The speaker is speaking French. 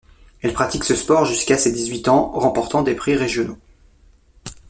Elle pratique ce sport jusqu'à ses dix-huit ans, remportant des prix régionaux.